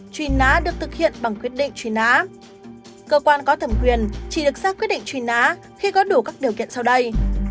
truy nã được thực hiện bằng quyết định truy nã cơ quan có thẩm quyền chỉ được ra quyết định truy nã khi có đủ các điều kiện sau đây